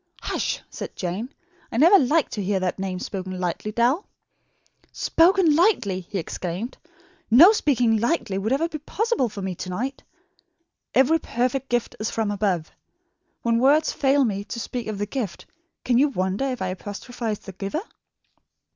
"Hush," said Jane; "I never like to hear that name spoken lightly, Dal." "Spoken lightly!" he exclaimed. "No speaking lightly would be possible for me to night. 'Every perfect gift is from above.' When words fail me to speak of the gift, can you wonder if I apostrophise the Giver?"